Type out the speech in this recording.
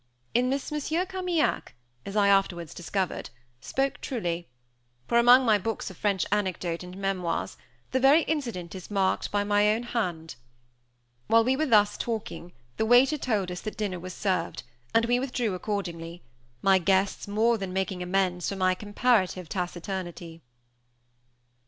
In this Monsieur Carmaignac, as I afterwards discovered, spoke truly; for, among my books of French anecdote and memoirs, the very incident is marked by my own hand. While we were thus talking the waiter told us that dinner was served, and we withdrew accordingly; my guests more than making amends for my comparative taciturnity.